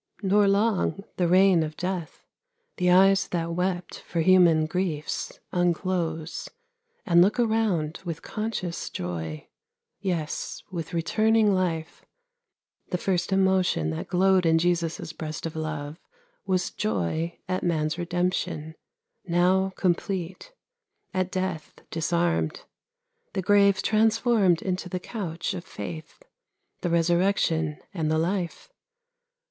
Nor long the reign Of death ; the eyes that wept for human griefs Unclose, and look around with conscious joy, Yes ; with returning life, the first emotion That glowed in Jesus' breast of love, was joy At man's redemption, now complete ; at death Disarmed ; the grave transformed into the couch Of faith ; the resurrection and the life.